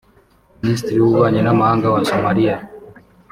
Minisitiri w’Ububanyi n’Amahanga wa Somaliya